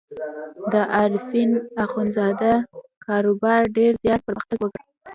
د عارفین اخندزاده کاروبار ډېر زیات پرمختګ وکړ.